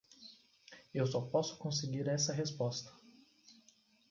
Eu só posso conseguir essa resposta